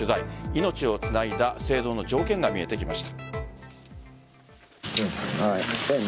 命をつないだ生存の条件が見えてきました。